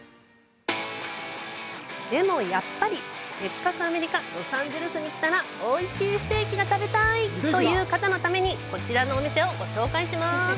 でもやっぱり、せっかくアメリカ・ロサンゼルスに来たら、おいしいステーキが食べたい！という方のためにこちらのお店をご紹介します。